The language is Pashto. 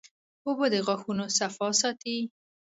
اوبه د غاښونو صفا ساتي